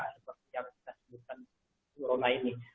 seperti yang kita sebutkan corona ini